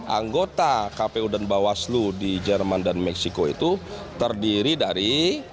anggota kpu dan bawaslu di jerman dan meksiko itu terdiri dari